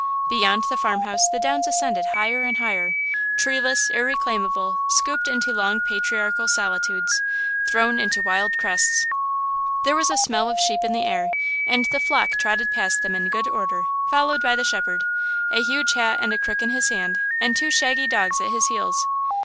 Beyond the farmhouse the downs ascended higher and higher, treeless, irreclaimable, scooped into long patriarchal solitudes, thrown into wild crests. There was a smell of sheep in the air, and the flock trotted past them in good order, followed by the shepherd, a huge hat and a crook in his hand, and two shaggy dogs at his heels.